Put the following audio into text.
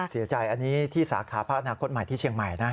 เสียใจอันนี้ที่สาขาพักอนาคตใหม่ที่เชียงใหม่นะ